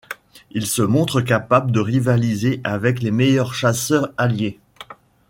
Il se montre capable de rivaliser avec les meilleurs chasseurs alliés.